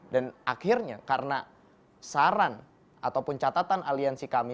dan akhirnya karena saran ataupun catatan aliansi kami